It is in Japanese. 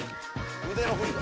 腕の振りが。